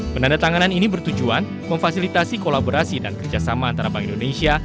penandatanganan ini bertujuan memfasilitasi kolaborasi dan kerjasama antara bank indonesia